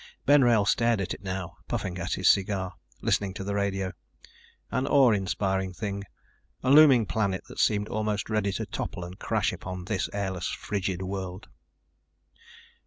Ben Wrail stared at it now, puffing at his cigar, listening to the radio. An awe inspiring thing, a looming planet that seemed almost ready to topple and crash upon this airless, frigid world.